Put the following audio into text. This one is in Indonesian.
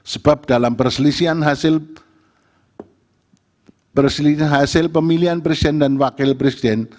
sebab dalam perselisihan hasil pemilihan presiden dan wakil presiden